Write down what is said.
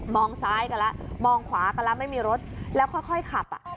ซ้ายกันแล้วมองขวากันแล้วไม่มีรถแล้วค่อยขับอ่ะ